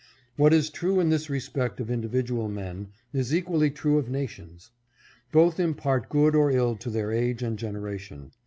What is true in this respect of individual men, is equally true of nations. Both impart good or ill to their age and generation.